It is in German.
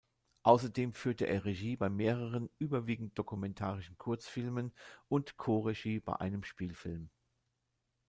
Außerdem führte er Regie bei mehreren, überwiegend dokumentarischen Kurzfilmen, und Co-Regie bei einem Spielfilm.